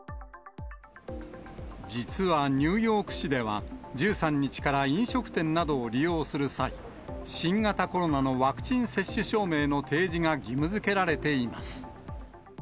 実はニューヨーク市では、１３日から飲食店などを利用する際、新型コロナのワクチン接種証明の提示が義務づけられています。